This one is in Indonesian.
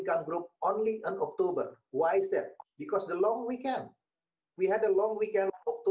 karena mereka tidak bisa mencapai ekonomi peringkat